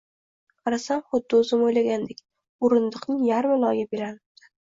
Qarasam, xuddi o‘zim o‘ylagandek: o‘rindiqning yarmi loyga belanibdi.